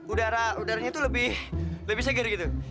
udara udaranya tuh lebih segar gitu